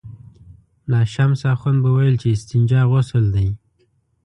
ملا شمس اخند به ویل چې استنجا غسل دی.